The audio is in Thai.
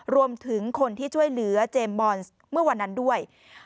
รวมถึงคนที่ช่วยเหลือเจมส์มอนส์เมื่อวันนั้นด้วย